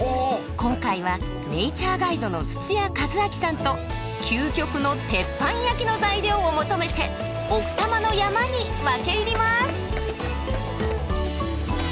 今回はネイチャーガイドの土屋一昭さんと究極の鉄板焼きの材料を求めて奥多摩の山に分け入ります！